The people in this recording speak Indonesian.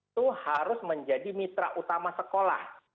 itu harus menjadi mitra utama sekolah